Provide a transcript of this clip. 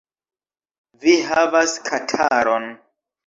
Vi havas kataron.